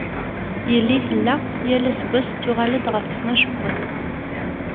Yelli tella yal ass tettuɣal-d ɣef ṭnac n wass.